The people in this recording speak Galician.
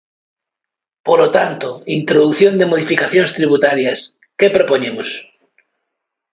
Polo tanto, introdución de modificacións tributarias, ¿que propoñemos?